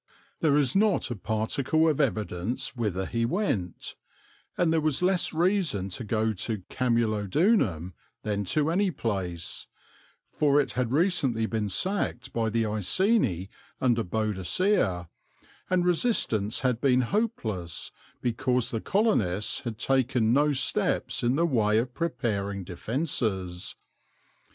There is not a particle of evidence whither he went; and there was less reason to go to Camulodunum than to any place; for it had recently been sacked by the Iceni under Boadicea, and resistance had been hopeless because the colonists had taken no steps in the way of preparing defences.